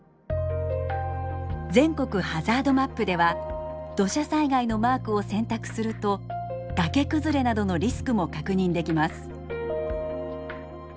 全国ハザードマップでは土砂災害のマークを選択すると崖崩れなどのリスクも確認できます。